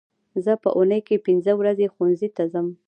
زه په اونۍ کې پینځه ورځې ښوونځي ته ځم